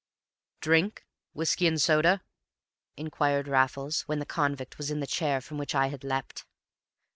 "Drink whiskey and soda?" inquired Raffles, when the convict was in the chair from which I had leapt.